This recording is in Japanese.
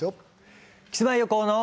「キスマイ横尾の！